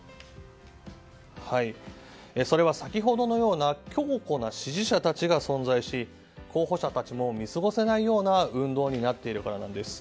それは、先ほどのような強固な支持者たちが存在し候補者たちも見過ごせないような運動になっているからなんです。